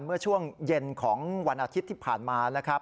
เมื่อช่วงเย็นของวันอาทิตย์ที่ผ่านมานะครับ